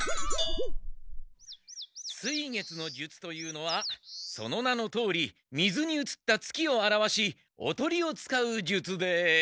水月の術というのはその名のとおり水にうつった月を表しオトリを使う術で。